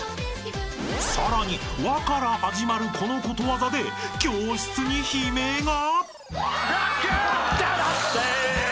［さらに「わ」から始まるこのことわざで教室に悲鳴が？］